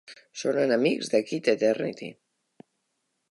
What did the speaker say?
Són enemics de Kid Eternity.